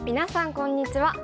こんにちは。